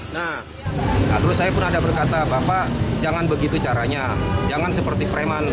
nah terus saya pun ada berkata bapak jangan begitu caranya jangan seperti preman